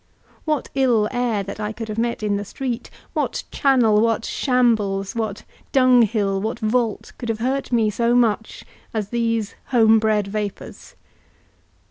What ill air that I could have met in the street, what channel, what shambles, what dunghill, what vault, could have hurt me so much as these homebred vapours?